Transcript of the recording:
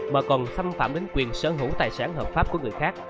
mà còn xâm phạm đến quyền sở hữu tài sản hợp pháp của người khác